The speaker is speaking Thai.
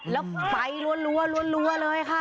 แล้วไฟรวดรั้วเลยค่ะ